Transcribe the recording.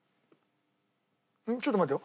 ちょっと待ってよ。